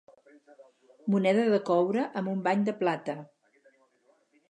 Moneda de coure amb un bany de plata.